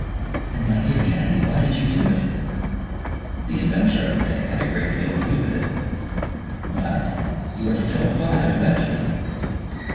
"Then, my dear Kennedy, why did you do it?" "The adventure of the thing had a great deal to do with it." "What! You are so fond of adventures!"